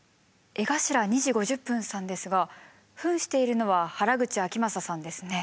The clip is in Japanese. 江頭２：５０さんですがふんしているのは原口あきまささんですね。